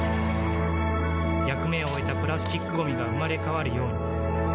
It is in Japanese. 役目を終えたプラスチックごみが生まれ変わるように